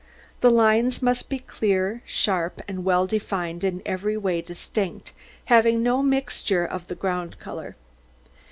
The lines must be clear, sharp, and well defined, in every way distinct, having no mixture of the ground colour.